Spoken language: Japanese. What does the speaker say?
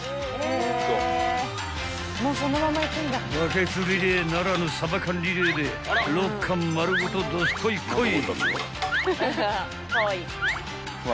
［バケツリレーならぬサバ缶リレーで６缶丸ごとどすこいこい］